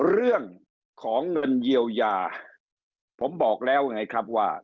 เรื่องของเงินเยียวยาผมบอกแล้วไงครับว่า